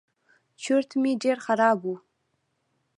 چورت مې ډېر خراب و.